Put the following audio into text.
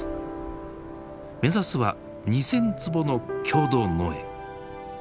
目指すは２，０００坪の共同農園。